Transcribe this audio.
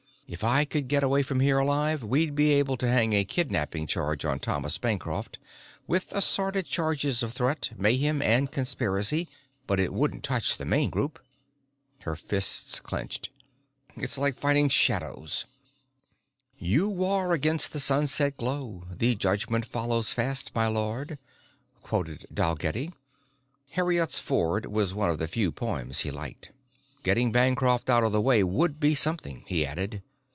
If I could get away from here alive we'd be able to hang a kidnapping charge on Thomas Bancroft, with assorted charges of threat, mayhem and conspiracy, but it wouldn't touch the main group." Her fists clenched. "It's like fighting shadows." "You war against the sunset glow. The judgment follows fast my lord!" quoted Dalgetty. Heriots' Ford was one of the few poems he liked. "Getting Bancroft out of the way would be something," he added.